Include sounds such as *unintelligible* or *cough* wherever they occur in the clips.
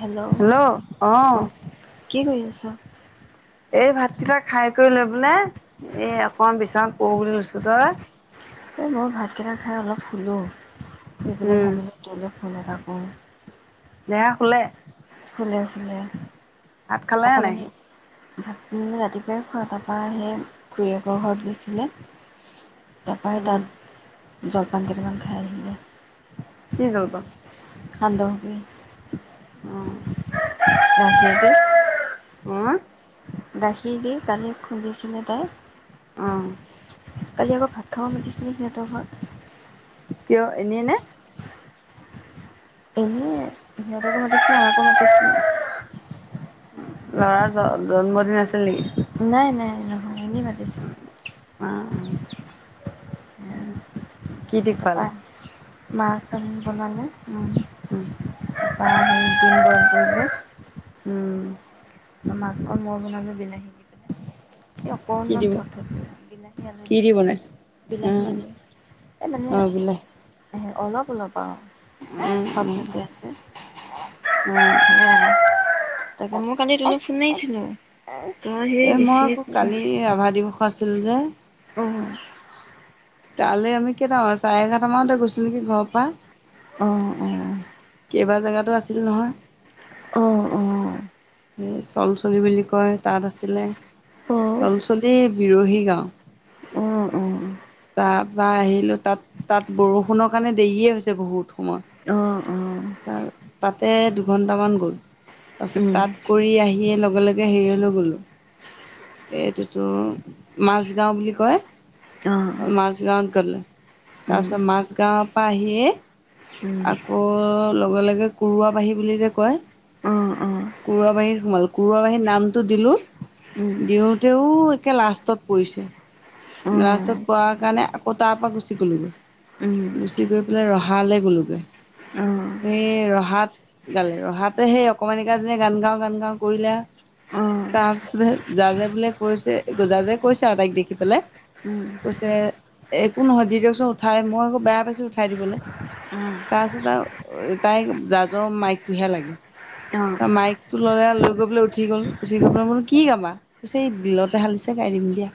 Hello অ কি কৰি আছ ছ এই ভাতকেইটা খাই কৰি লৈ পেলাই এই অকমান বিচনাত পৰো বুলি লৈছো তই কা এই মই ভাতকেইটা খাই অলপ শুলোঁ এইবিলাক উম ভাবিলে তোলে ফোন এটা কৰোঁ। জেয়া শুলে ফুলে ফুলে ভাত খালে নাই অকমানি ভাত ৰাতিপুৱাই খোৱা তাপা হে খুৰীয়েকৰ ঘৰত গৈছিলে তাপা সি সেই উম তাত জল জলপান কেইটামান খাই আহিলে কি জলপান খালো অ নহকে *unintelligible* অ গাখীৰ দি কানি খুন্দিছিনে তাই অ কালি আকৌ ভাত খাব মাতিছিলে সিহঁতৰ ঘৰত কিয় এনেই নে এনে *unintelligible* ল'ৰাৰ জ জন্মদিন আছিল নেকি নাই নাই নহয় এনেই মাতিছিল অ অ কি দি তাপা খোৱালে মাছ চাউ বনালে, উম উম *unintelligible* উম মাছখন মই বনালো বিলাহী দি পিনে এই কি অকণমান দি থপ বিলাহী আলি কি দি পনে বনাইছে বিলাহী উম আলি এই মানে অ বোলে *unintelligible* অলপ অলপ অ উম ঠপ উম ঠপিয়া জে, অ অ *unintelligible* কালি তুমি ফুনে *unintelligible* এ মই আকৌ কালি ৰাভা দিৱস আছিল যে অঁ কালি আমি কেইটামান চাৰে এঘাৰটামানতে গৈছো নেকি ঘৰৰ পৰা। অ অ। কেবা জেগাতো আছিল নহয়। অ অ। এই চলচলি বুলি কয় তাত আছিলে, অঁ চলচলি বিৰহী গাঁও। অঁ অঁ অঁ অঁ তাৰপা আহিলোঁ তাত তাত বৰষুণৰ কাৰণে দেৰিয়ে হৈছে বহুত সময় ।তাত তাতে দুঘণ্টামান গ'ল। তাৰপিছত তাত কৰি আহিয়ে লগে লগে হেৰিয়লৈ গ'লোঁ ।এইটোতো মাজগাঁও বুলি কয়, মাজগাঁৱত গ'লে, তাৰপিছত মাজগাঁৱৰ পৰা আহিয়েই আকৌ লগে লগে কৰুৱাবাহী বুলি যে কয় অঁ অঁ কুৰুৱা বাহীত সোমালোঁ ।কুৰুৱা বাঁহীত নামটো দিলোঁ, অঁ দিওঁতেও একে লাষ্টত পৰিছে ।লাষ্টত পৰা কাৰণে আকৌ তাৰ পৰা গুচি গ'লোঁগৈ, গুচি গৈ পেলাই ৰহালৈ গ'লোঁগৈ। সেই ৰহাত গালে ৰহাতে সেই অকণমান নীয়ে গান গাও গান গাও কৰিলে, তাৰপিছতে জাজে বোলে কৈছে জাজে কৈছে আৰু তাইক দেখি পেলাই উম। কৈছে একো নহয় দি দিয়কচোন উঠাই, মই আকৌ বেয়া পাইছো উঠাই দিবলে। তাৰপাছত আৰু তাইক জাজৰ মাইকটোহে লাগে ত মাইকটো ল'লে লৈ গৈ পেলাই উঠি গল, উঠি গৈ পেলে বলো কি গাবা? কৈছে বিলতে হালিছে গাই দিম দিয়া।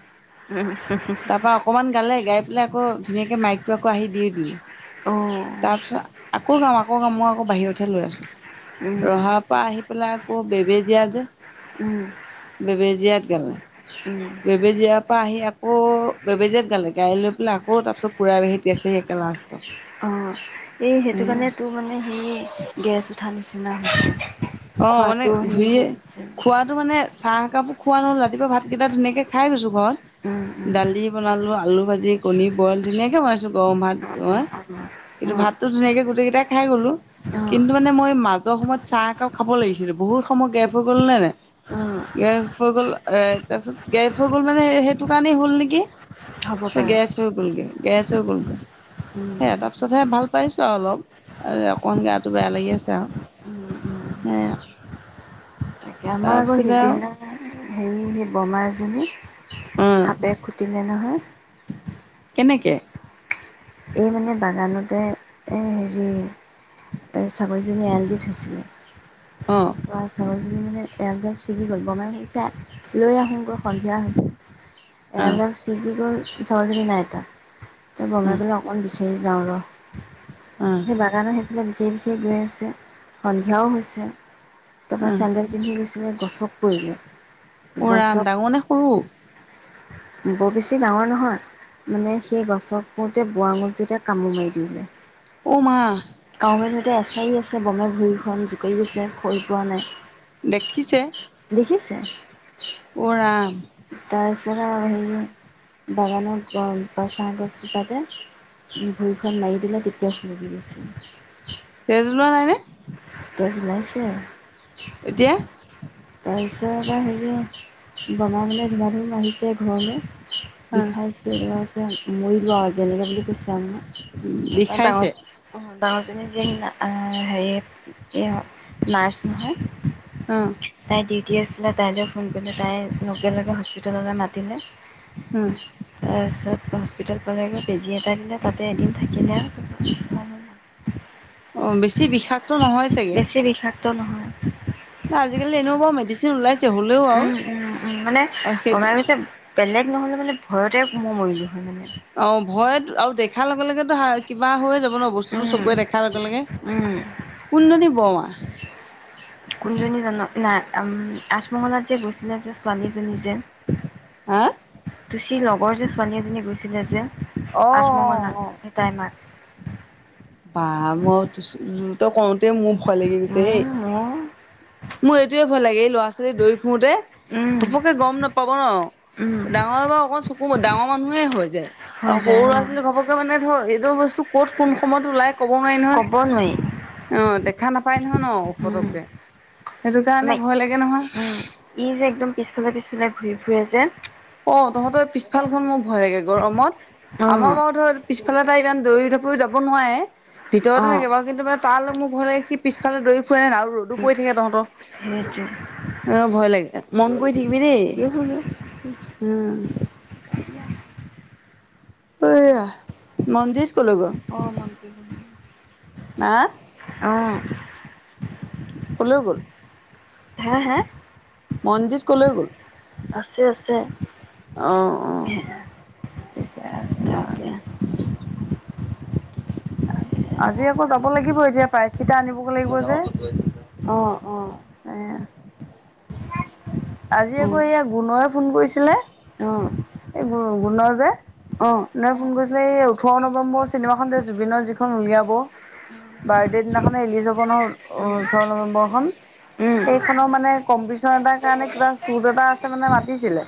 তাৰ পৰা অকমান গালে গাই পেলাই আকৌ ধুনীয়াকৈ মাইকটো আকৌ আহি দিয়ে দিলে। অ' তাৰপিছত আকৌ গাম আকৌ গাম মই আকৌ বাহিৰতহে লৈ আছোঁ। ৰহা উম, পা আহি পেলাই আকৌ বেবেজীয়া যে উম, বেবেজীয়াত গালে। উম, বেবেজীয়াৰ পৰা আহি আকৌ বেবেজীয়াত গালে গাড়ী লৈ পেলাই আকৌ তাৰপিছত পুৰাবাহি পাইছে সেই লাষ্টত। অ' এই সেইটো কাৰণে তোৰ মানে সে গেছ উঠা নি চিনা হৈছে। অ মানে খোৱাটো হেৰি ঘূৰিয়ে হৈ গৈছে। খোৱাটো মানে চাহ একাপ খোৱা নহল ৰাতিপুৱা ভাতকেইটা ধুনিয়াকে খাই গৈছোঁ উম ঘৰত। উম দালি বনালো আলু ভাজি, কণী বইল, ধুনীয়াকে বনাইছো গৰম ভাত অঁ মই কিন্তু অঁ ধুনীয়াকে গোটেই কেইটাই খাই গলো। কিন্তু মানে মই মাজৰ সময়ত চাহ একাপ খাব লাগিছিল বহুত সময় গেপ হৈ গ'ল নে নাই? অঁ গেপ হৈ গ'ল এ তাৰপিছত গেপ হৈ গ'ল মানে সেইটো কাৰণেই হল নেকি। হ'ব চ পাৰে গেছ হৈ গ'ল গে । গেছ হৈ গলগে। উম সেয়া তাৰপিছতহে ভাল পাইছো আৰু অলপ। অকমান গাটো বেয়া লাগি আছে আৰু। উম উম সেয়া। আমাৰ আকৌ তাৰপিছতে আৰু সিদিনা হেৰি সেই বমা এজনী উম সাপে খুটিলে নহয়। কেনেকে? এই মানে বাগানতে হেৰি, ছাগলীজনী এৰাল দি থৈছিলে। অ তাপৰা ছাগলী মানে এৰাল ডাল ছিগি গ'ল বমাই ভাবিছে লৈ আহোগৈ সন্ধিয়া হৈছে। অ এৰাল ডাল চিগি গ'ল সৰোজিনী নাইতা তই অ বগাই পলাও অকণ বিছাৰি যাওঁ ৰ অ সেই বাগানৰ সেইফালে বিচা- বিচাৰি বিচাৰি গৈ আছে সন্ধিয়াও হৈছে তাৰ অ পৰা চেন্দেল পিন্ধি গৈছে গছক পৰিলে উৰাম গছত ডাঙৰ নে সৰু বৰ বেছি ডাঙৰ নহয় মানে সেই গছত পৰোতে বোৱাআঙল টোতে কামো মাৰি দিলে উ মা গোতে এছাৰি আছে বনে ভূৰিখন জোকাৰি আছে হৈৰি পোৱা নাই দেখিছে দেখিছে উ ৰাম তাৰপিছত আৰু হেৰি বাগানৰ বাচাঁ গছজোপাতে ভূইখনৰত মাৰি দিলে তেতিয়া পৰি গৈছিল তেজু উলোৱা নাই নে তেজ ওলাইছে এতিয়া তাৰপিছত এবাৰ হেৰি বমা বোলে ধুমা ধুম আহিছে ঘৰলে আহ বিষাইছে যে মৰি লো ৱাও যেনেকে বুলি কৈছে আও মানে অ তাৰপা বিষাইছে ডাঙৰ ডাঙৰ জনি জীয়েক না হেৰি এইয়া নাৰ্ছ নহয় অ পাতি আছিলে তাইলৈ ফোন কৰিলে তাই লগে লগে হস্পিটেললৈ মাতিলে তাৰপছত হস্পিতেল পালেগৈ বেজি এটা দিলে তাতে এদিন থাকিলে আৰু অ বেছি বিষাক্ত নহয় বেছি বিষাই- ডক্ত নহয় ত আজি কালি এনেকোৱা মেডিচিন ওলাইছে হ'লেও আৰু উম উম উম মানে, আৰু সেইটো বমাই কৈছে বেলেগ। নহ'লে মানে ভয়তে, মই মৰিলোঁ। হয় মানে। অ ভয়ত আৰু দেখাৰ লগে লগেতো কিবা হৈয় যাব ন বস্তুটো উম চকুে দেখাৰ লগে লগে, উম কোনজনী বৰমা। কোনজনী জান নাই। আঠমঙলাত যে গৈছিলে যে, ছোৱালীজনী যে। হা! তুচিৰ লগৰ যে ছোৱালী এজনী গৈছিলে যে। অ আঠ অ অ মঙলাত, এ, তাই মাক। বা মইয়ো তো *unintelligible* তই কওঁতে মোৰ ক'ল লাগি গৈছে হেই! উম মোৰ মোৰ এইটোয়ে ভয় লাগে! এই ল'ৰা ছোৱালী দৌৰি ফুৰোঁতে, উম ঘপককে গম নাপাব ন'। উম ডাঙৰ বাও অকণ চকু ডাঙৰ মানুহে হৈ যায়। অ'! হৈ সৰু যায় ল'ৰা ছোৱালীৰ ঘপককে মানে এইটো বস্তু ক'ত কোন অসময়ত ওলায়? ক'ব নোৱাৰি নহয়, ক'ব নোৱাৰি অ'! দেখা নাপা হয় ন' উম পতককে। সেইটো কাৰণে, আমাৰ ভয় লাগে নহয়। উম, ই যে, একদম পিছফালে, পিছফালে ঘূৰি ফুৰে যে। অ'! তহঁতৰ পিছ ফালখন মোক ভয় লাগে গৰমত । আমাৰ অ'। বাৰু ধৰ পিছফালে তাই ইমান দৌৰি ধপৰি যাব নোৱাৰে। ভিতৰতে অ', থাকে বাৰু। কিন্তু মানে, তালে মোৰ ভয় লাগে! সি পিছফালে দৌৰি ফুৰে নাই আৰু ৰ'দো পৰি থাকে তহঁতৰ। সেইটো এ, ভয় লাগে! মন কৰি থাকিবি দেই। কি হল উম! সেইয়া মঞ্জিত। অ'! মঞ্জিত হা অ'! ক'লেও গ'ল? হে! হে! মঞ্জিত কলৈ গ'ল? আছে, আছে। অ অ ঠিকে আছে বাৰু তাকে, দে আজি যাব লাগিব এতিয়া। পাইচিটা আনিবগে লাগিব যে। অ', অ', এ! আজি আকৌ, উম, এইয়া গুণয়ে ফোন কৰিছিলে! অ'! অ'! গুণৰ যে, অ', উম, কোনেঢ ফোন কৰি ওঠৰ নৱেম্বৰ চিনোখন যে জুবিনৰ যিখন উলিয়াব। বাৰ্থডে দিনাখনে ৰীলিজ হব নহয়। অ'! ওঠৰ নৱেম্বৰ খন। উম, অ', উম, সেইখনৰ মানে, কম্পিটিচন এটাৰ কাৰণে কিবা চুট এটা আছে মানে, মাতিছিলে!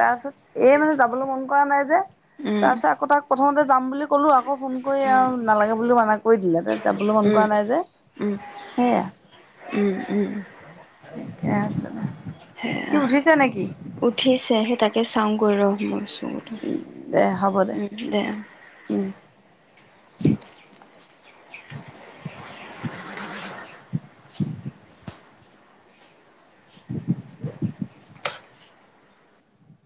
তাৰপিছত, এই মানে, যাবলৈ মন কৰা নাই যে। উম, তাৰপিছত, আকৌ তাক প্ৰথমতে যাম বুলি ক'লো। আকৌ, ফোন কৰি উম, আৰু নালাগে বুলিও মানা কৰি দিলে। যাবলৈ মন উম, উম, কৰা নাই যে! সেয়া, উম, আছে সেয়া। সি উঠিছে নেকি? উঠিছে, সেই তাকে চাওঁগৈ ৰহ, মোৰ দে হ'ব উম, দে। উম *unintelligible* *unintelligible*